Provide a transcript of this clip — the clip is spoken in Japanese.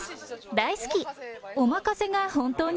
大好き。